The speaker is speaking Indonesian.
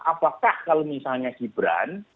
apakah kalau misalnya gibran